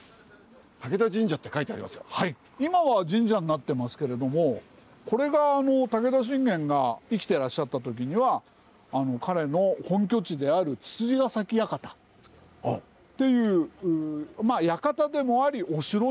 今は神社になってますけれどもこれが武田信玄が生きてらっしゃった時には彼の本拠地である躑躅ヶ崎館というまあ館でもありお城でもあったところなんです。